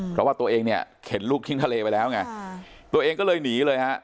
เพราะว่าตัวเองเนี่ยเข็นลูกทิ้งทะเลไปแล้วไงตัวเองก็เลยหนีเลยฮะ